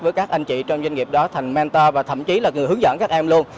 với các anh chị trong doanh nghiệp đó thành mentor và thậm chí là người hướng dẫn các em luôn